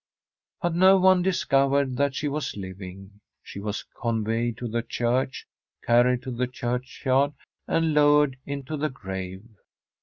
But no one discovered that she was living. She was conveyed to the church, carried to the churchyard, and lowered into the grave.